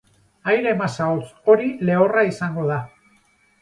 Aire masa hotz hori lehorra izango da.